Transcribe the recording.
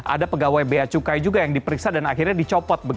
ada pegawai bea cukai juga yang diperiksa dan akhirnya dicopot